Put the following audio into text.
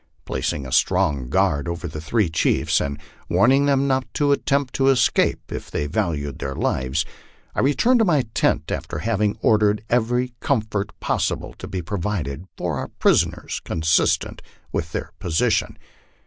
Placing a strong guard over the three chiefs, and warning them not to attempt to escape if they valued their lives, I returned to my tent after having ordered every comfort possible to be provided for our prisoners con sistent with their position.